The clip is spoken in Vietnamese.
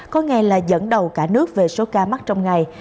có ngày là dẫn đầu cả nước về số ca mắc trong ngày